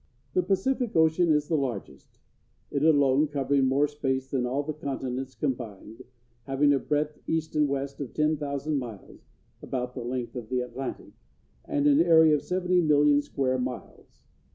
The Pacific Ocean is the largest, it alone covering more space than all the continents combined, having a breadth, east and west, of ten thousand miles (about the length of the Atlantic), and an area of seventy million square miles.